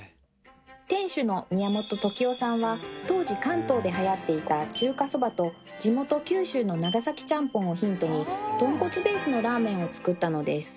店主の宮本時男さんは当時関東ではやっていた中華そばと地元九州の長崎ちゃんぽんをヒントにとんこつベースのラーメンを作ったのです。